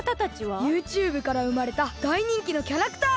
ユーチューブからうまれただいにんきのキャラクター！